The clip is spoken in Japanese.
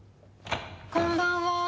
こんばんは！